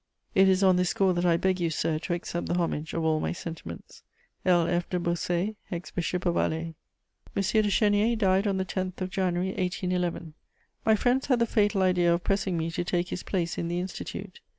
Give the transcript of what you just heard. "It is on this score that I beg you, Sir, to accept the homage of all my sentiments. "L. F. DE BAUSSET, ex Bishop of Alais." M. de Chénier died on the 10th of January 1811. My friends had the fatal idea of pressing me to take his place in the Institute.